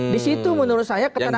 di situ menurut saya ketenangan